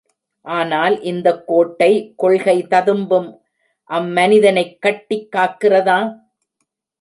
ஆனால், இந்தக் கோட்டை, கொள்கை ததும்பும் அம்மனிதனைக் கட்டிக் காக்கிறதா?